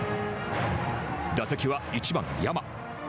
打席は１番山。